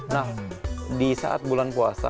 nah di saat bulan puasa